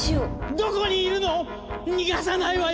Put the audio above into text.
・どこにいるの⁉逃がさないわよ！